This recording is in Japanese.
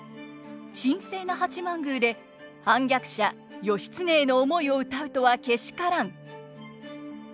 「神聖な八幡宮で反逆者義経への思いを歌うとはけしからん」。